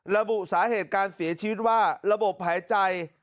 ระบุสาเหตุการเสียชีวิตว่าระบบหายใจ